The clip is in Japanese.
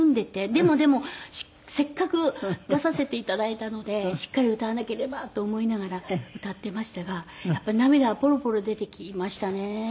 でもでもせっかく出させて頂いたのでしっかり歌わなければと思いながら歌っていましたがやっぱり涙はポロポロ出てきましたね。